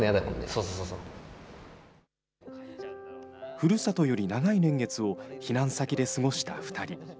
ふるさとより長い年月を避難先で過ごした２人。